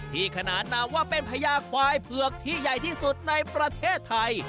ขนานนามว่าเป็นพญาควายเผือกที่ใหญ่ที่สุดในประเทศไทย